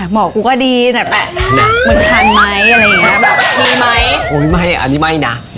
หมอกูก็ดีแบบแบบมึงทันไหมอะไรอย่างนี้แบบมีไหม